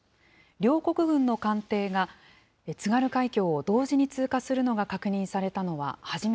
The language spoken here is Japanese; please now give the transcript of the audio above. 両国軍の艦艇が津軽海峡を同時に通過するのが確認されたのは初め